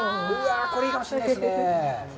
これ、いいかもしれないですね。